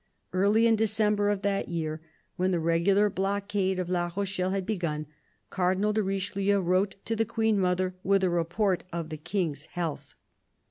Early in December of that year, when the regular blockade of La Rochelle had begun, Cardinal de Richelieu wrote to the Queen mother with a report of the King's health